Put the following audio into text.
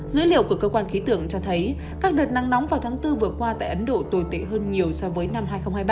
dữ liệu của cơ quan khí tượng cho thấy các đợt nắng nóng vào tháng bốn vừa qua tại ấn độ tồi tệ hơn nhiều so với năm hai nghìn hai mươi ba